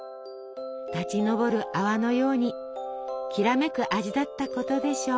立ちのぼる泡のようにきらめく味だったことでしょう。